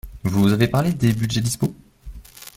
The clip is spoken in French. Vous avez parlé des budgets dispos?